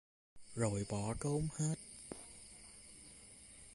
Rồi bỏ trốn hết